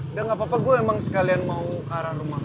udah gapapa gua emang sekalian mau karang rumah gua